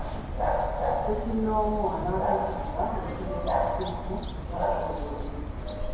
Ssekinnoomu anaatuukiriza emitendera emituufu ajja kuweebwa emirimu.